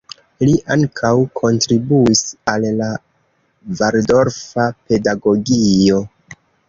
Li ankaŭ kontribuis al la Valdorfa pedagogio.